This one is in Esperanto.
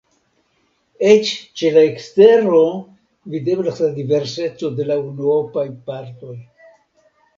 Eĉ ĉe la ekstero videblas la diverseco de la unuopaj partoj.